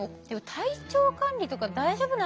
体調管理とか大丈夫なんですか。